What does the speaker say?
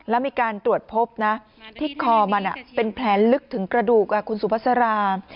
แล้วมีการตรวจพบนะที่คอมันเป็นแผลลึกถึงกระดูกคุณสุภาษารา